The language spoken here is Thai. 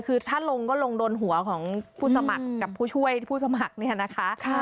คือถ้าลงก็ลงโดนหัวของผู้สมัครกับผู้ช่วยผู้สมัครเนี่ยนะคะ